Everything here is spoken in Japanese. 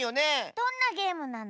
どんなゲームなの？